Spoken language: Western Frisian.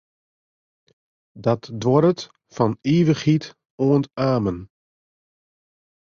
Dat duorret fan ivichheid oant amen.